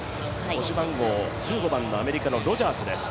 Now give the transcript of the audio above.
番号１５番のアメリカのロジャースです。